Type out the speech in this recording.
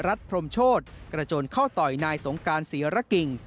พรมโชธกระโจนเข้าต่อยนายสงการศรีระกิ่ง